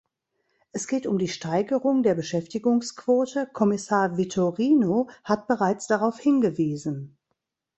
Es geht um die Steigerung der Beschäftigungsquote Kommissar Vitorino hat bereits darauf hingewiesen.